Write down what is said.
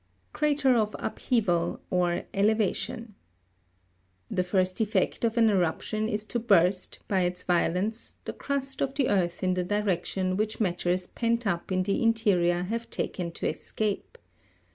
14. Crater of upheaval, or elevation. The first effect of an eruption is to burst, by its violence, the crust of the earth in the direction which matters pent up in the interior have taken to escape.